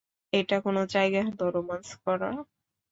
এটা কোন জায়গা হলো রোম্যান্স করার?